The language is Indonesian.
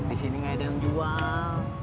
di sini nggak ada yang jual